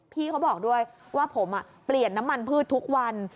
พี่เขาบอกด้วยว่าผมเปลี่ยนน้ำมันพืชทุกวัน